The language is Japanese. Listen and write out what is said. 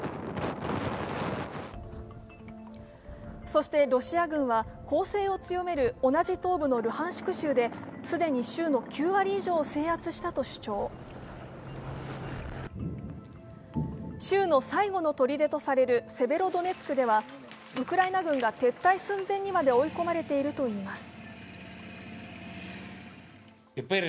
そしてロシア軍は、攻勢を強める同じ東部のルハンシク州で既に州の９割以上を制圧したと主張州の最後のとりでとされるセベロドネツクではウクライナ軍が撤退寸前にまで追い込まれているといいます。